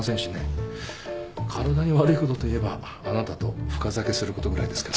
体に悪いことといえばあなたと深酒することぐらいですからね。